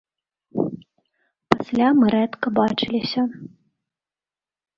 Пасля мы рэдка бачыліся.